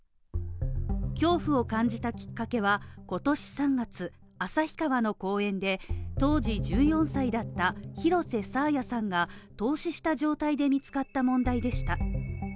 恐怖を感じたきっかけは今年３月、旭川の公園で当時１４歳だった廣瀬爽彩さんが凍死した状態で見つかった問題でした。